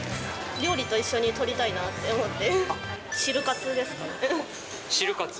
料理と一緒に撮りたいなって思って。